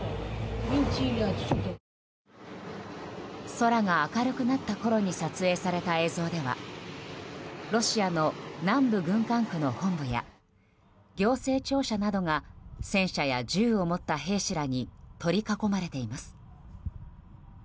空が明るくなったころに撮影された映像ではロシアの南部軍管区の本部や行政庁舎などが戦車や銃を持った兵士らに取り囲まれています。